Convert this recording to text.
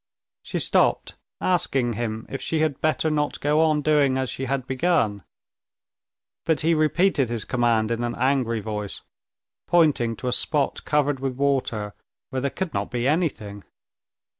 She stopped, asking him if she had better not go on doing as she had begun. But he repeated his command in an angry voice, pointing to a spot covered with water, where there could not be anything.